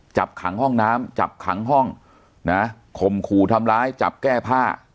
จับขังห้องน้ำจับขังห้องนะข่มขู่ทำร้ายจับแก้ผ้า